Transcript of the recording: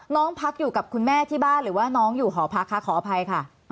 น้องพักอยู่กับคุณแม่ที่บ้านหรือว่าน้องอยู่หอพักคะขออภัยค่ะ